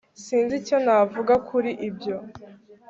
sinzi icyo navuga kuri ibyo